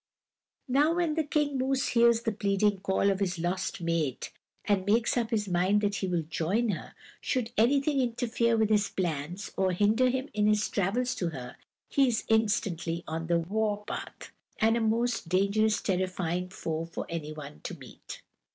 Now when the King Moose hears the pleading call of his lost mate, and makes up his mind that he will join her, should anything interfere with his plans, or hinder him in his travels to her, he is instantly on the war path, and a most dangerous, terrifying foe for any one to meet.